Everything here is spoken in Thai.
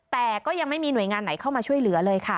แต่ก็ยังไม่มีหน่วยงานไหนเข้ามาช่วยเหลือเลยค่ะ